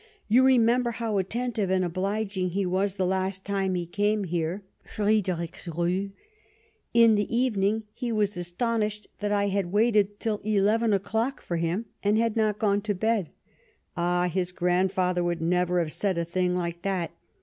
You re member how attentive and obhging he was the last time he came here [Friedrichsruh] . In the evening he was astonished that I had waited till eleven o'clock for him and had not gone to bed. Ah ! his grandfather would never have said a thing like that.